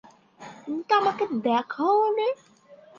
তুমি তো আমাকে দেখোওনি।